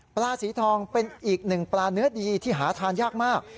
สีทองเป็นอีกหนึ่งปลาเนื้อดีที่หาทานยากมาก